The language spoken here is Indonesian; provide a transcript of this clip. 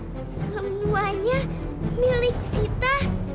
semuanya milik sita